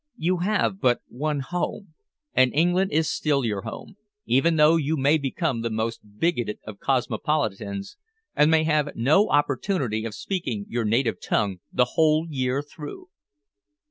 You have but one "home," and England Is still your home, even though you may become the most bigoted of cosmopolitans and may have no opportunity of speaking your native tongue the whole year through.